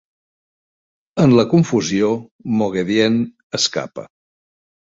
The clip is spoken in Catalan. En la confusió, Moghedien escapa.